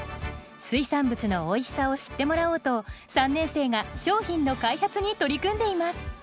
水産物のおいしさを知ってもらおうと３年生が商品の開発に取り組んでいます。